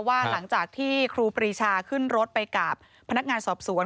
หลังจากที่ครูปรีชาขึ้นรถไปกับพนักงานสอบสวน